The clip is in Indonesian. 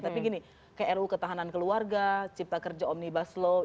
tapi ruu ketahanan keluarga cipta kerja omnibus law